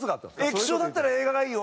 「液晶だったら映画がいいよ！」